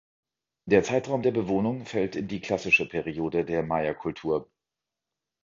Der Zeitraum der Bewohnung fällt in die Klassische Periode der Maya-Kultur.